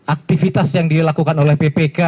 aktivitas yang dilakukan oleh ppk